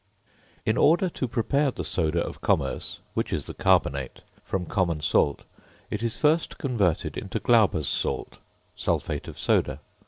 In order to prepare the soda of commerce (which is the carbonate) from common salt, it is first converted into Glauber's salt (sulphate of soda).